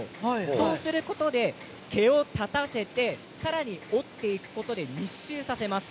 そうすることで毛を立たせてさらに織っていくことで密集させます。